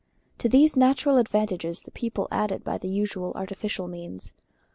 To these natural advantages the people added by the usual artificial means.